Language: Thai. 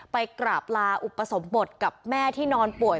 ไปกราบลาอุปสมบทกับแม่ที่นอนป่วย